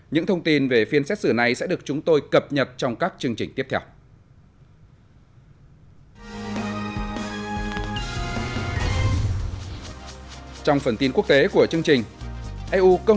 những thông tin về phiên xét xử này sẽ được chúng tôi cập nhật trong các chương trình tiếp theo